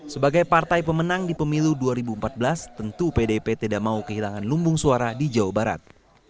sebagai partai pemenang di pemilu dua ribu empat belas tentu pdip tidak mau kehilangan lumbung suara di jawa barat